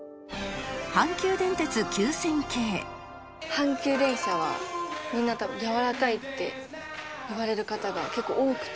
阪急電車はみんな多分やわらかいって言われる方が結構多くて。